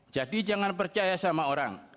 jadi jangan percaya sama orang